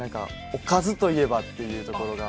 おかずといえばというところが。